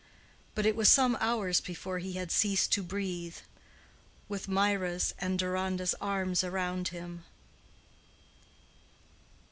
But it was some hours before he had ceased to breathe, with Mirah's and Deronda's arms around him.